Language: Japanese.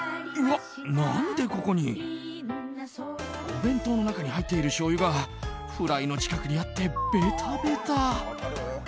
お弁当の中に入っているしょうゆがフライの近くにあってベタベタ。